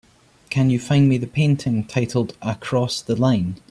Can you find me the painting titled Across the Line?